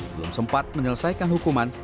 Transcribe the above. belum sempat menyelesaikan hukuman